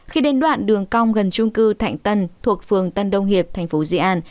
khi đến đoạn đường cong gần chung cư thạnh tân thuộc phường tân đông hiệp thành phố di an